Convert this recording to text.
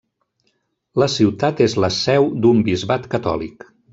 La ciutat és la seu d'un bisbat catòlic.